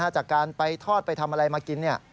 จากการไปทอดไปทำอะไรมากิน